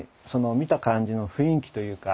見た感じの雰囲気というか。